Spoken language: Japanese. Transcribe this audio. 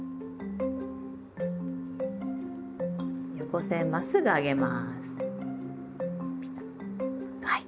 横線まっすぐ上げます。